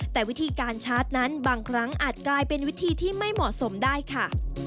แต่วิธีการชาร์จนั้นบางครั้งอาจกลายเป็นวิธีที่ไม่เหมาะสมได้ค่ะ